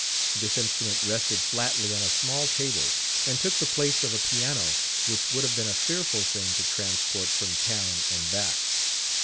This instrument rested flatly on a small table and took the place of a piano, which would have been a fearful thing to transport from town and back.